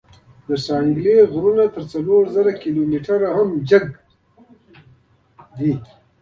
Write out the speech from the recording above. د شانګلې غرونه تر څلور زرو کلو ميتره لوړ دي ـ